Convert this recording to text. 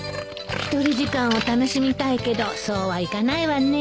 一人時間を楽しみたいけどそうはいかないわね